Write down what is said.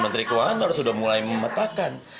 menteri keuangan harus sudah mulai memetakan